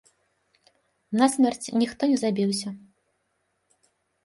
Насмерць ніхто не забіўся.